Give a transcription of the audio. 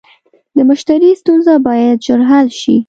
د مشتری ستونزه باید ژر حل شي.